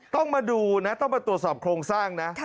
ต้องมาดูนะต้องมาตรวจสอบโครงสร้างนะ